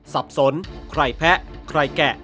สับสนใครแพ้ใครแกะ